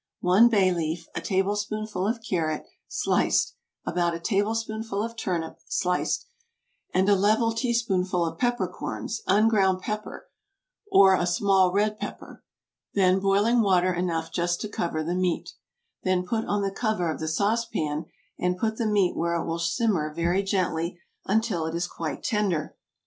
One bay leaf, a tablespoonful of carrot, sliced, about a tablespoonful of turnip, sliced, and a level teaspoonful of peppercorns unground pepper or a small red pepper. Then boiling water enough just to cover the meat. Then put on the cover of the sauce pan, and put the meat where it will simmer very gently until it is quite tender.